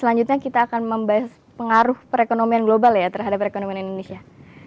selanjutnya kita akan membahas pengaruh perekonomian global ya terhadap perekonomian indonesia